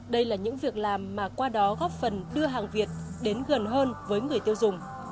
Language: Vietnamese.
đây là những việc làm mà qua đó góp phần đưa hàng việt đến gần hơn với người tiêu dùng